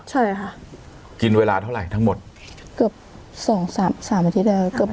ใช่ค่ะกินเวลาเท่าไหร่ทั้งหมดเกือบสองสามสามอาทิตย์แล้วเกือบ